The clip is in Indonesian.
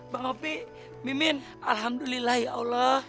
bang opi mimin alhamdulillah ya allah